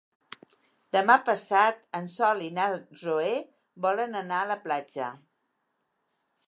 Demà passat en Sol i na Zoè volen anar a la platja.